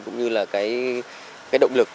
cũng như là cái động lực